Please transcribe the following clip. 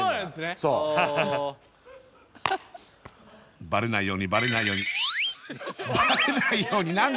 そうバレないようにバレないようにバレないように何だ？